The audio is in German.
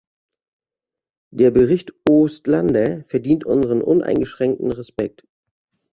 Der Bericht Oostlander verdient unseren uneingeschränkten Respekt.